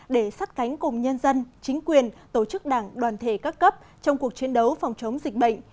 để sát cánh cùng nhân dân chính quyền tổ chức đảng đoàn thể các cấp trong cuộc chiến đấu phòng chống dịch bệnh